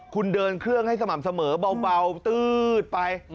คุณเดินเครื่องให้สม่ำเสมอเบาตื๊ดไป